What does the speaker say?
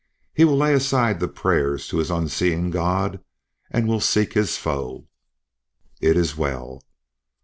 He will lay aside the prayers to his unseeing God, and will seek his foe." "It is well."